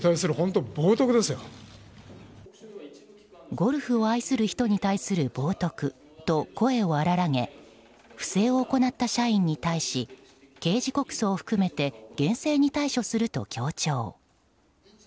ゴルフを愛する人に対する冒涜と声を荒らげ不正を行った社員に対し刑事告訴を含めて厳正に対処すると強調。